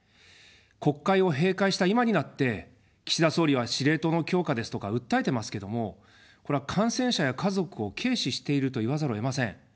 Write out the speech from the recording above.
国会を閉会した今になって、岸田総理は司令塔の強化ですとか訴えてますけども、これは感染者や家族を軽視していると言わざるを得ません。